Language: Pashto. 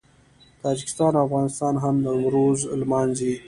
تاجکستان او افغانستان هم نوروز لمانځي.